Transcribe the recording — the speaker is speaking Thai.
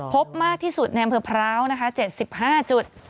พบมากที่สุดในอำเภอพร้าวนะคะ๗๕จุด